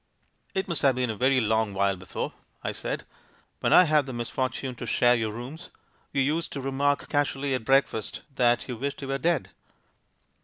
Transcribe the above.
"It must have been a very long while before," I said. "When I had the misfortune to share your rooms, you used to remark casually at breakfast that you wished you were dead."